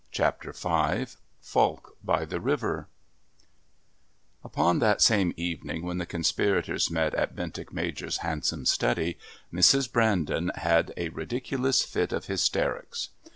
Chapter V Falk by the River Upon that same evening when the conspirators met in Bentinck Major's handsome study Mrs. Brandon had a ridiculous fit of hysterics.